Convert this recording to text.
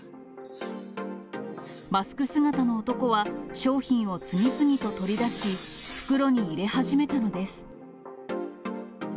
マスク姿の男は、商品を次々と取り出し、袋に入れ始めたのです。